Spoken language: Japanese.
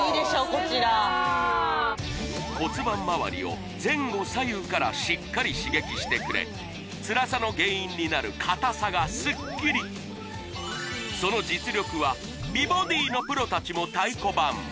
こちら骨盤周りを前後左右からしっかり刺激してくれつらさの原因になる硬さがスッキリその実力は著書